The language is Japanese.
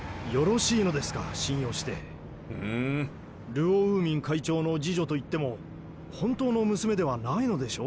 ルオ・ウーミン会長の次女といっても本当の娘ではないのでしょ？